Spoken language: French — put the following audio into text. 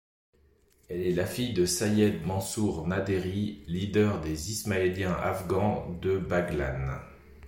Elle est la fille de Sayed Mansour Naderi, leader des ismaéliens afghans de Baghlân.